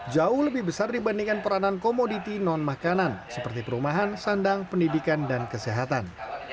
jauh lebih besar dibandingkan peranan komoditi non makanan seperti perumahan sandang pendidikan dan kesehatan